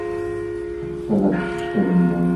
একতলা বিশিষ্ট বিল্ডিং।